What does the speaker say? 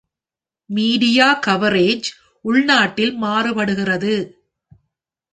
Media coverage உள்நாட்டில் மாறுபடுகிறது.